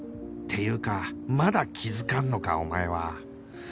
っていうかまだ気づかんのかお前は！